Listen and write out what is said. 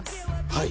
はい。